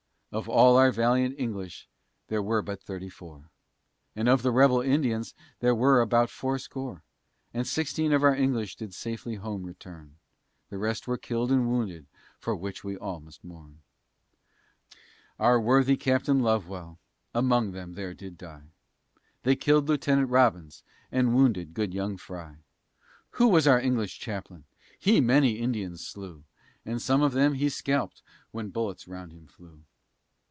Of all our valiant English there were but thirty four, And of the rebel Indians there were about fourscore. And sixteen of our English did safely home return, The rest were kill'd and wounded, for which we all must mourn. Our worthy Captain Lovewell among them there did die, They killed Lieutenant Robbins, and wounded good young Frye, Who was our English Chaplain; he many Indians slew, And some of them he scalp'd when bullets round him flew.